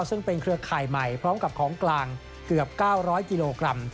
ซึ่งเป็นเครือข่ายใหม่พร้อมกับของกลางเกือบ๙๐๐กิโลกรัม